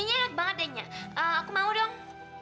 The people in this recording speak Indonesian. ini enak banget den ya aku mau dong